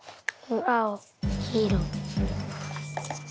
あおきいろ。